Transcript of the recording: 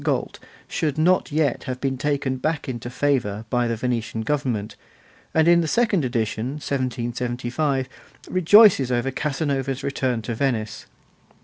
Galt' should not yet have been taken back into favour by the Venetian government, and in the second edition, 1775, rejoices over Casanova's return to Venice.